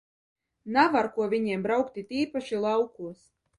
Nav ar ko viņiem braukt, it īpaši laukos.